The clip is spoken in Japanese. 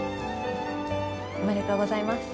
おめでとうございます。